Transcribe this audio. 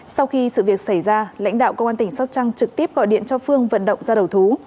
sau khi sự việc xảy ra lãnh đạo công an tỉnh sóc trăng trực tiếp gọi điện cho phương vận động ra đầu thú